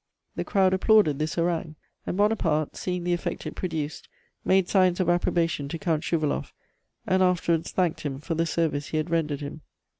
"The crowd applauded this harangue, and Buonaparte, seeing the effect it produced, made signs of approbation to Count Schouwaloff, and afterwards thanked him for the service he had rendered him.